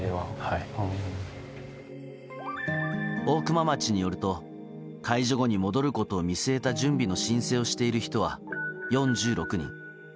大熊町によると解除後に戻ることを見据えた準備の申請をしている人は４６人。